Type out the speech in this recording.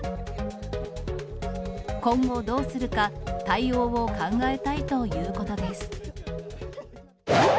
今後どうするか、対応を考えたいということです。